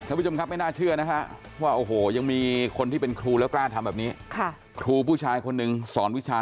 ท่านผู้ชมครับไม่น่าเชื่อนะฮะว่าโอ้โหยังมีคนที่เป็นครูแล้วกล้าทำแบบนี้ครูผู้ชายคนหนึ่งสอนวิชา